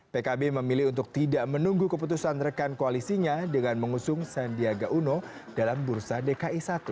pkb memilih untuk tidak menunggu keputusan rekan koalisinya dengan mengusung sandiaga uno dalam bursa dki satu